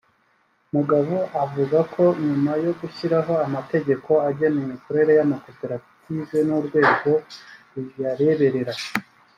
Mugabo avuga ko nyuma yo gushyiraho amategeko agena imikorere y’amakoperative n’urwego ruyareberera